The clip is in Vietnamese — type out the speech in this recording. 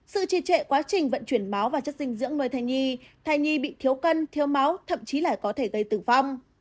sự trì trệ quá trình vận chuyển máu và chất dinh dưỡng nơi thai nhi thai nhi bị thiếu cân thiếu máu thậm chí là có thể gây tử vong